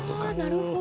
なるほど。